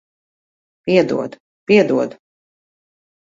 Piedod. Piedod.